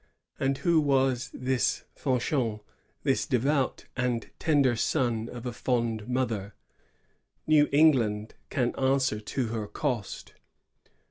And who was this ^^Fanchon," this devout and tender son of a fond mother? New England can answer to her cost.